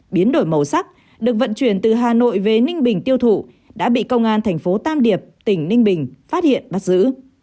biến đổi màu sắc được vận chuyển từ hà nội về ninh bình tiêu thụ đã bị công an thành phố tam điệp tỉnh ninh bình phát hiện bắt giữ